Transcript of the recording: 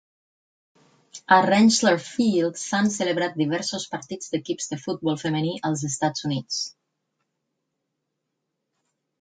A Rentschler Field s"han celebrat diversos partits d"equips de futbol femení als Estats Units.